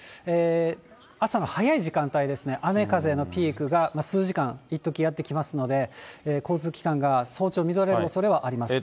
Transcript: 朝の早い時間帯ですね、雨風のピークが数時間、いっときやってきますので、交通機関が早朝乱れるおそれはあります。